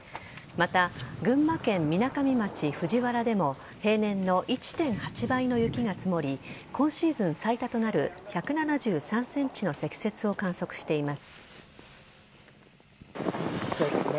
また、群馬県みなかみ町藤原でも平年の１．８倍の雪が積もり今シーズン最多となる１７３ｃｍの積雪を観測しています。